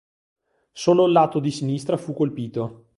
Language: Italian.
Solo il lato di sinistra fu colpito.